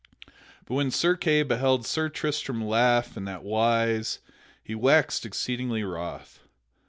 But when Sir Kay beheld Sir Tristram laugh in that wise, he waxed exceedingly wroth.